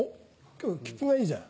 今日きっぷがいいじゃん。